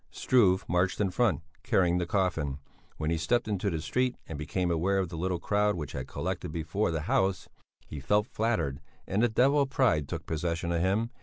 Struve marched in front, carrying the coffin; when he stepped into the street and became aware of the little crowd which had collected before the house, he felt flattered, and the devil of pride took possession of him.